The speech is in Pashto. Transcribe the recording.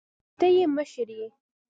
ته يې مشر يې.